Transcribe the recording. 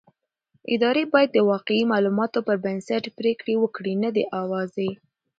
ادارې بايد د واقعي معلوماتو پر بنسټ پرېکړې وکړي نه د اوازې.